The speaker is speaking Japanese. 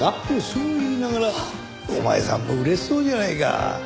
そう言いながらお前さんも嬉しそうじゃないか。